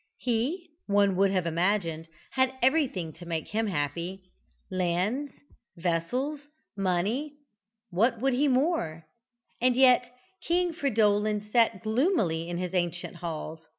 He, one would have imagined, had everything to make him happy. Lands, vassals, money what would he more? And yet King Fridolin sat gloomily in his ancient halls.